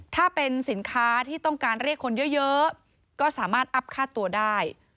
ถ้าเป็นสินค้าที่ต้องการเรียกคนเยอะก็สามารถอัพค่าตัวได้